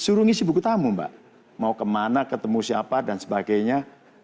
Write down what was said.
suruh ngisi buku tamu mbak mau kemana ketemu siapa dan sebagainya